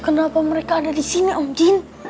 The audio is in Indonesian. kenapa mereka ada disini om jin